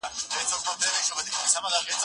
زه له سهاره ونې ته اوبه ورکوم؟